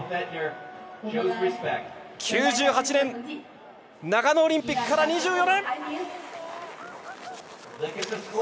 ９８年長野オリンピックから２４年。